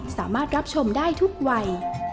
สามารถรับชมได้ทุกวัย